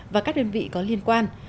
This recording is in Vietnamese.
và các đơn vị có liên quan